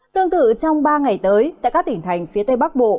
tương tự trong ba ngày tới tại các tỉnh thành phía tây bắc bộ